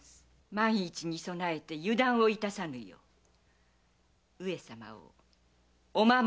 万一に備えて油断を致さぬよう上様をお守り致さねばなりませぬ。